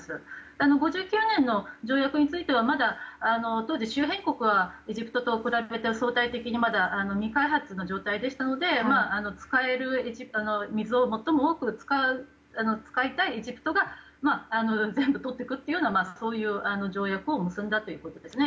１９５９年の条約についてはまだ当時、周辺国はエジプトと比べて相対的に未開発な状態でしたので使える水を最も多く使いたいエジプトが全部とっていくという条約を結んだということですね。